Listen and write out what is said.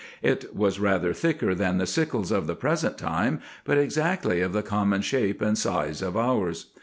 It was rather thicker than the sickles of the present time, but exactly of the common shape and size of ours.